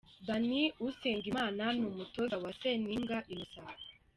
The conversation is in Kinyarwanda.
Danny Usengimana n'umutoza we Seninga Innocent.